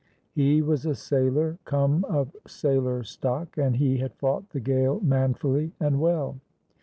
He was a sailor, come of sailor stock, and he had fought the gale manfully and well.